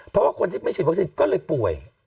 เพราะว่าคนที่ไม่ฉีดวัคซีนก็เลยป่วย